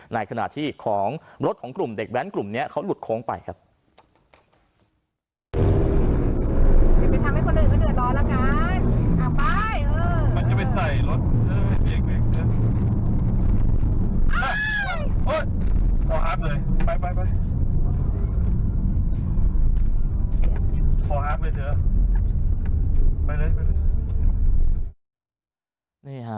ในขณะที่ของรถของกลุ่มเด็กแว้นกลุ่มนี้เขาหลุดโค้งไปครับ